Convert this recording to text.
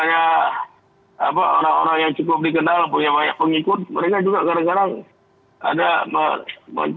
punya banyak pengikut mereka juga kadang kadang